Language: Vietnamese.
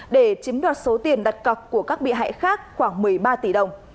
để chiếm đoạt số tiền đặt cọc của các bị hại khác khoảng một mươi ba tỷ đồng